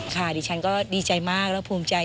ดิฉันก็ดีใจมากและภูมิใจ